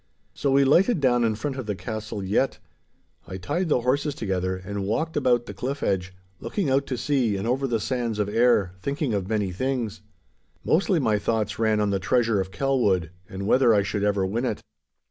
So we lighted down in front of the castle yett. I tied the horses together, and walked about the cliff edge, looking out to sea and over the sands of Ayr, thinking of many things. Mostly my thoughts ran on the treasure of Kelwood, and whether I should ever win it.